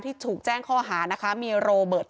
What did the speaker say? ที่ถูกแจ้งข้อหานะคะมีโรเบิร์ต